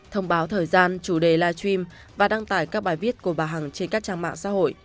thông báo thời gian chủ đề live stream và đăng tải các bài viết của bà hằng trên các trang mạng xã hội